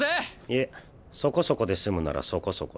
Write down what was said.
いえそこそこで済むならそこそこで。